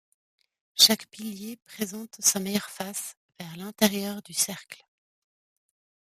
Chaque pilier présente sa meilleure face vers l'intérieur du cercle.